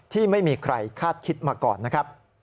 ที่ไม่มีใครคาดคิดมาก่อนนะครับ